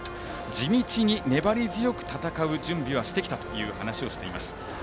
地道に粘り強く戦う準備はしてきたという話をしています。